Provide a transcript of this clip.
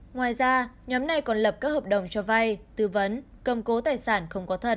ngoài ra nhóm này còn lập các hợp đồng cho vay tư vấn cầm cố tài sản không có thật